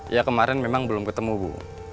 ya kemarin memang belum ketemu bu